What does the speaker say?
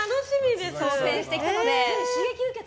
挑戦してきたので。